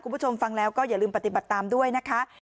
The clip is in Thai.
คุณผู้ชมฟังแล้วก็อย่าลืมปฏิบัติตามด้วยนะคะ